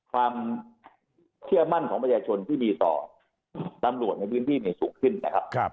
ความเชื่อมั่นของประชาชนที่ดีต่อตำรวจในพื้นที่สูงขึ้นนะครับ